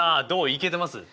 いけてます？